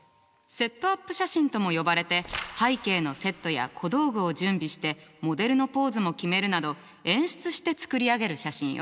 セットアップ写真とも呼ばれて背景のセットや小道具を準備してモデルのポーズも決めるなど演出して作り上げる写真よ。